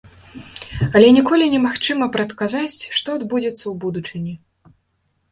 Але ніколі не магчыма прадказаць, што адбудзецца ў будучыні.